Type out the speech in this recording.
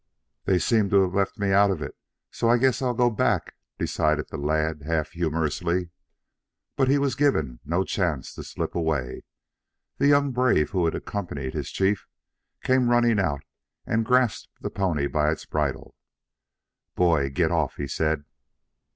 "They seem to have left me out of it, so I guess I'll go back," decided the lad half humorously. But he was given no chance to slip away. The young brave who had accompanied his chief, came running out and grasped the pony by its bridle. "Boy, git off," he said.